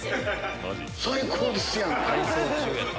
最高ですやんか！